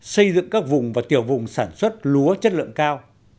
xây dựng các vùng và tiểu vùng sản xuất lúa chất lượng cao